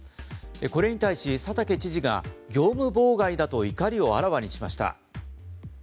これに対し佐竹知事が業務妨害だと怒りをあらわにしました。